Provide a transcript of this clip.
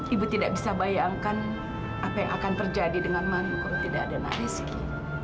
ibu tidak bisa bayangkan apa yang akan terjadi dengan manu kalau tidak ada nasib